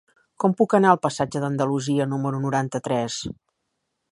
Com puc anar al passatge d'Andalusia número noranta-tres?